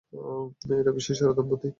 এটা বিশ্বের সেরা দম্পতি।